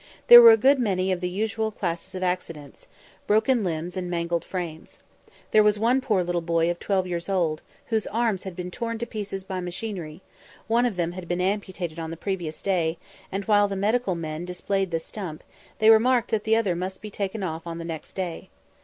There were a good many of the usual classes of accidents, broken limbs and mangled frames. There was one poor little boy of twelve years old, whose arms had been torn to pieces by machinery; one of them had been amputated on the previous day, and, while the medical men displayed the stump, they remarked that the other must be taken off on the next day.